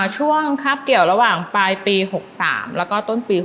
คราบเกี่ยวระหว่างปลายปี๖๓แล้วก็ต้นปี๖๐